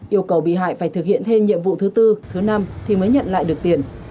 yêu cầu bị hại phải thực hiện thêm nhiệm vụ thứ tư thứ năm thì mới nhận lại được tiền